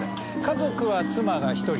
家族は妻が１人。